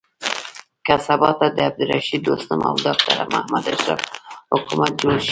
که سبا ته د عبدالرشيد دوستم او ډاکټر محمد اشرف حکومت جوړ شي.